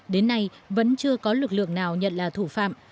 đến nay vẫn chưa có lực lượng nào nhận là thủ phạm